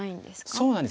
そうなんです。